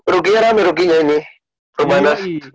rukinya rame rukinya ini perbanas